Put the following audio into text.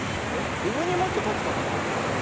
うえにもういっこたつかなってやってみる。